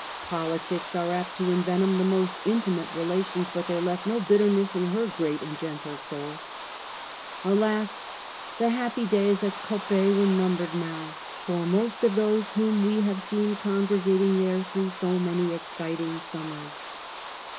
Politics are apt to envenom the most inti mate relations, but they left no bitterness in her great and gentle soul. Alas ! the happy days at Coppet were numbered now for most of those whom we have seen congregating there through so many exciting summers.